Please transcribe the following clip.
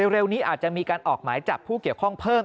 เร็วนี้อาจจะมีการออกหมายจับผู้เกี่ยวข้องเพิ่ม